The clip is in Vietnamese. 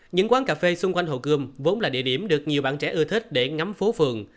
những quán cà phê xung quanh hồ gươm vốn là địa điểm được nhiều bạn trẻ ưa thích để ngắm phố phường